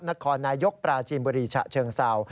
นครนายกปราจีนบุรีฉะเชิงเศร้า